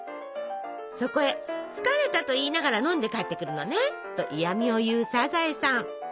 そこへ「つかれたといいながらのんでかえってくるのね」と嫌みを言うサザエさん。